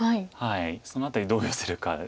その辺りどうヨセるか。